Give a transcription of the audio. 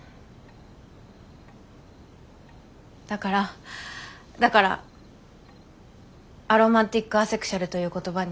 だからだからアロマンティック・アセクシュアルという言葉に。